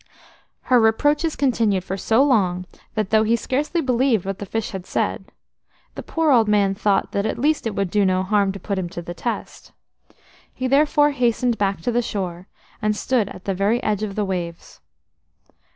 Her reproaches continued for so long that though he scarcely believed what the fish had said, the poor old man thought that at least it would do no harm to put him to the test. He therefore hastened back to the shore, and stood at the very edge of the waves.